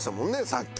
さっき。